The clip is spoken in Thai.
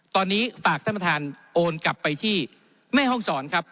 ตอนนี้ฝากท่านประธานโอนกลับไปที่แม่ห้องศรครับ